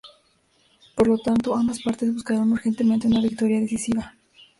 Por lo tanto, ambas partes buscaron urgentemente una victoria decisiva.